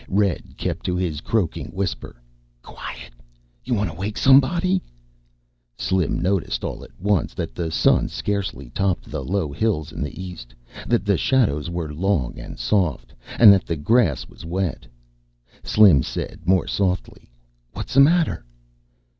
Red kept to his croaking whisper, "Quiet! You want to wake somebody?" Slim noticed all at once that the sun scarcely topped the low hills in the east, that the shadows were long and soft, and that the grass was wet. Slim said, more softly, "What's the matter?"